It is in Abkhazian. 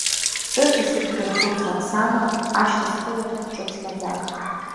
Ҿыц исыԥхьоит хәыцрак сама, ашьҭа схыларц ҿыц маӡак.